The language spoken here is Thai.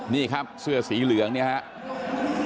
นี่ครับเสื้อสีเหลืองเนี่ยครับ